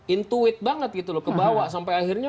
intuit banget gitu loh kebawa sampai akhirnya